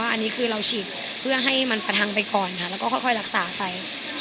อันนี้คือเราฉีดเพื่อให้มันประทังไปก่อนค่ะแล้วก็ค่อยรักษาไป